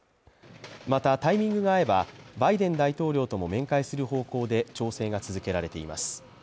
またタイミングが合えば、バイデン大統領と面会する方向で調整が続けられています。